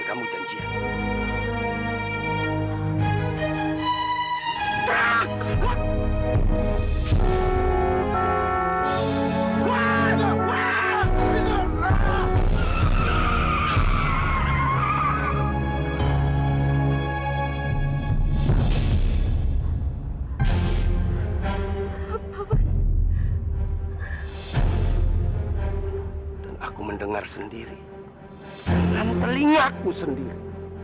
aku mendengar sendiri dengan telingaku sendiri